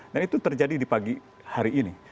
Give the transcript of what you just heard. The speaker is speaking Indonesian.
dan itu terjadi di pagi hari ini